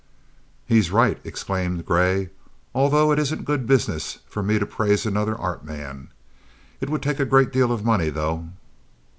"He's right," exclaimed Gray, "although it isn't good business for me to praise another art man. It would take a great deal of money, though."